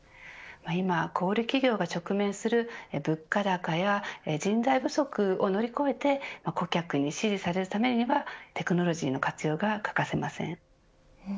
今、小売り企業が直面する物価高や人材不足を乗り越えて顧客に支持されるためにはテクノロジーの活用が欠かせません。